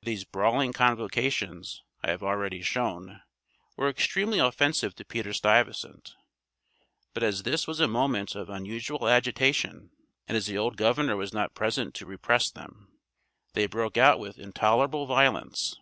These brawling convocations, I have already shown, were extremely offensive to Peter Stuyvesant; but as this was a moment of unusual agitation, and as the old governor was not present to repress them, they broke out with intolerable violence.